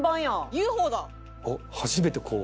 ＵＦＯだ！